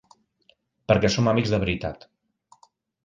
Perquè som amics de veritat.